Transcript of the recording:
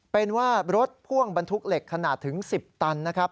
เป็นว่ารถพ่วงบรรทุกเหล็กขนาดถึง๑๐ตันนะครับ